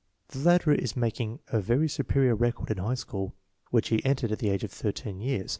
The latter is making a very superior record in high school, which he entered at the age of thirteen years.